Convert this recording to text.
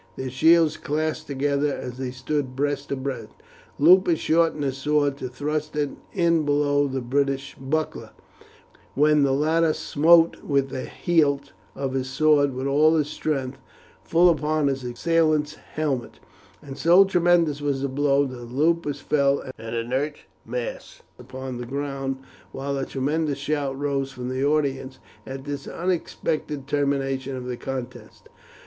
Their shields clashed together as they stood breast to breast. Lupus shortened his sword to thrust it in below the Briton's buckler, when the latter smote with the hilt of his sword with all his strength full upon his assailant's helmet, and so tremendous was the blow that Lupus fell an inert mass upon the ground, while a tremendous shout rose from the audience at this unexpected termination of the contest.